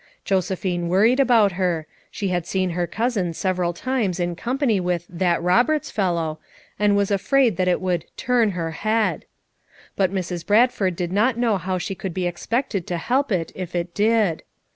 Josephine worried about her; she had seen her cousin several times in company with "that Roberts fellow/' and was afraid that it would l ' turn her head. 9 9 But Mrs, Brad ford did not know how she could be expected to help it if it did.